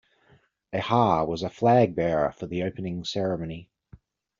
Ahar was flag bearer for the opening ceremony.